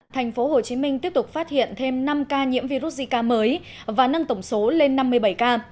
thành phố hồ chí minh tiếp tục phát hiện thêm năm ca nhiễm virus zika mới và nâng tổng số lên năm mươi bảy ca